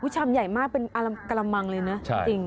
ชามใหญ่มากเป็นกะลำมังเลยนะ